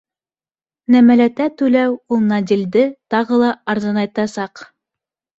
Нәмәләтә түләү ул наделде тағы ла арзанайтасаҡ.